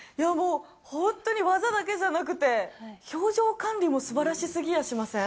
ほんとに、わざだけじゃなくて表情管理もすばらしすぎやしません？